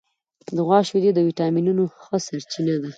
د غوا شیدې د وټامینونو ښه سرچینه ده.